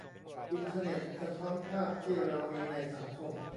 อินเทอร์เน็ตสะท้อนภาพที่เรามีในสังคม